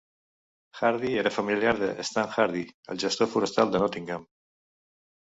Hardy era familiar de Stan Hardy, el gestor forestal de Nottingham.